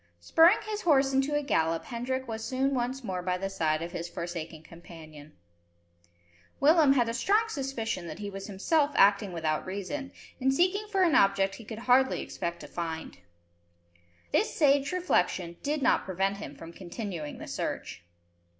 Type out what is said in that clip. Spurring his horse into a gallop, Hendrik was soon once more by the side of his forsaken companion. Willem had a strong suspicion that he was himself acting without reason, in seeking for an object he could hardly expect to find. This sage reflection did not prevent him from continuing the search.